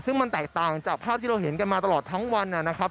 ซึ่งมันแตกต่างจากภาพที่เราเห็นกันมาตลอดทั้งวันนะครับ